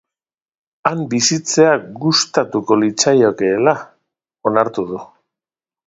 Han bizitzea gustatuko litzaiokeela onartu du.